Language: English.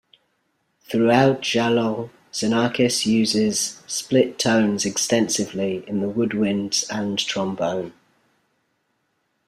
Throughout "Jalons", Xenakis uses split tones extensively in the woodwinds and trombone.